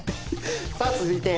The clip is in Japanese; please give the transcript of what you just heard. さあ続いて。